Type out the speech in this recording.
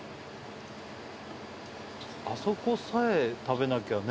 あそこさえ食べなきゃね。